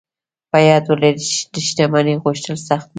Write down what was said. په ياد ولرئ چې د شتمنۍ غوښتل سخت نه دي.